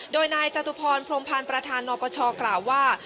โดยนายจตุพรพรมพันธ์ประธานนปชกล่าวว่า